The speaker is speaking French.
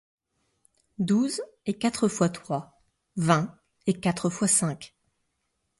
Douze est quatre fois trois, vingt est quatre fois cinq.